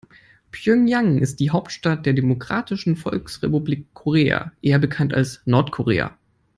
Pjöngjang ist die Hauptstadt der Demokratischen Volksrepublik Korea, eher bekannt als Nordkorea.